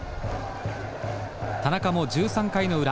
田中も１３回の裏。